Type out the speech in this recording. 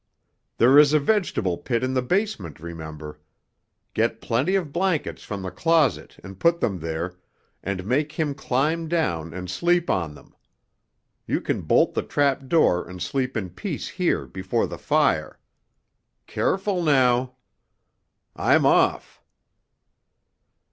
"There is a vegetable pit in the basement, remember. Get plenty of blankets from the closet and put them there, and make him climb down and sleep on them. You can bolt the trapdoor and sleep in peace here before the fire. Careful, now. I'm off!"